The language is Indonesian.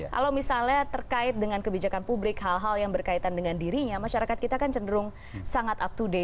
kalau misalnya terkait dengan kebijakan publik hal hal yang berkaitan dengan dirinya masyarakat kita kan cenderung sangat up to day